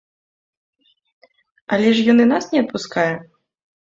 Але ж ён і нас не адпускае?